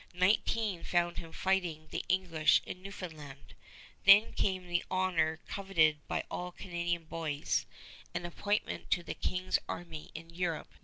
Nineteen found him fighting the English in Newfoundland. Then came the honor coveted by all Canadian boys, an appointment to the King's army in Europe.